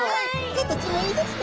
形もいいですね。